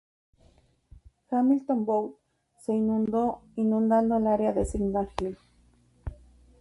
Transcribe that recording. Hamilton Bowl se inundó, inundando el área de Signal Hill.